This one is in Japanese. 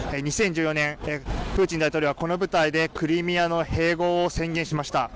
２０１４年プーチン大統領はこの舞台でクリミアの併合を宣言しました。